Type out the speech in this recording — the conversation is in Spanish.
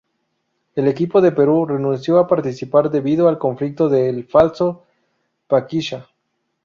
El equipo de Perú renunció a participar debido al Conflicto del Falso Paquisha.